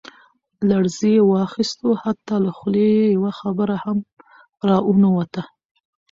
لړزې واخستو حتا له خولې يې يوه خبره هم را ونوته.